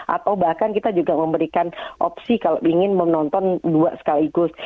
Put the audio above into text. atau bahkan kita juga memberikan opsi kalau ingin menonton dua sekaligus